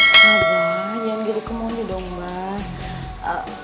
abah jangan gini kemauan dong mbak